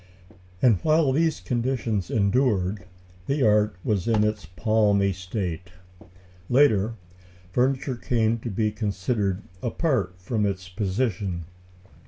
And while these conditions endured, the art was in its palmy state. Later, furniture came to be considered apart from its position.